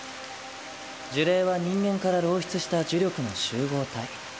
呪霊は人間から漏出した呪力の集合体。